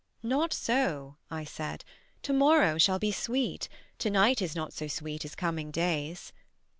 "Not so," I said: "to morrow shall be sweet; To night is not so sweet as coming days."